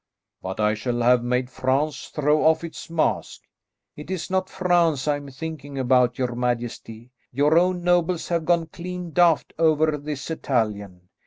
"But I shall have made France throw off its mask." "It is not France I am thinking about, your majesty. Your own nobles have gone clean daft over this Italian.